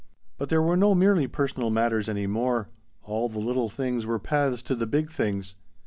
But there were no merely personal matters any more. All the little things were paths to the big things.